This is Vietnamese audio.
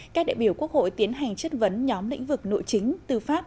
các đại biểu quốc hội tiến hành chất vấn nhóm lĩnh vực nội chính tư pháp